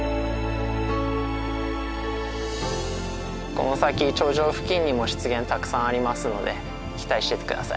この先頂上付近にも湿原たくさんありますので期待してて下さい。